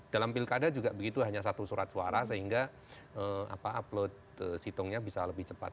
dalam pilkada juga begitu hanya satu surat suara sehingga upload situngnya bisa lebih cepat